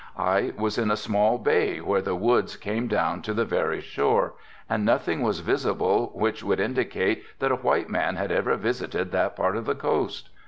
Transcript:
I was in a small bay where the woods came down to the very shore and nothing was visible which would indicate that a white man had ever visited that part of the coast.